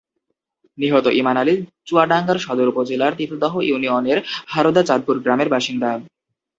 নিহত ইমান আলী চুয়াডাঙ্গার সদর উপজেলার তিতুদহ ইউনিয়নের হারদা চাঁদপুর গ্রামের বাসিন্দা।